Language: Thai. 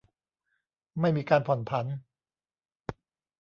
ไม่มีการผ่อนผัน